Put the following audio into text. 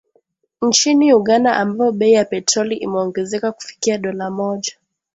Nchini Uganda ambapo bei ya petroli imeongezeka kufikia dola moja